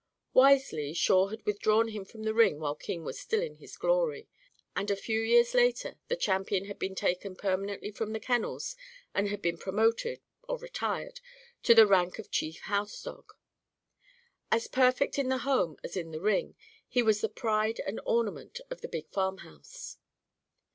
Wisely, Shawe had withdrawn him from the ring while King was still in his glory. And, a few years later, the champion had been taken permanently from the kennels and had been promoted (or retired) to the rank of chief house dog. As perfect in the home as in the ring, he was the pride and ornament of the big farmhouse.